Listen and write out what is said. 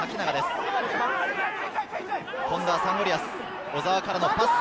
今度はサンゴリアス。